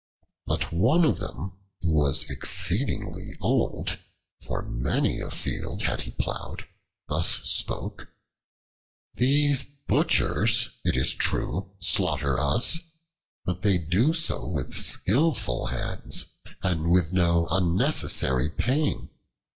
But one of them who was exceedingly old (for many a field had he plowed) thus spoke: "These Butchers, it is true, slaughter us, but they do so with skillful hands, and with no unnecessary pain.